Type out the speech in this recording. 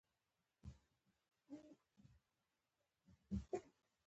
او جېب ته يې لاس کړو موبايل يې رواخيست